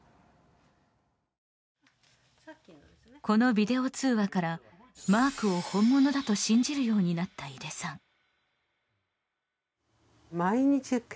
このビデオ通話からマークを本物だと信じるようになった井出さん。